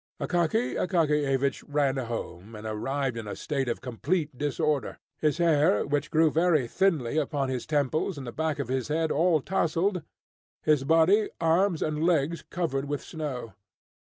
Akaky Akakiyevich ran home and arrived in a state of complete disorder, his hair which grew very thinly upon his temples and the back of his head all tousled, his body, arms and legs, covered with snow.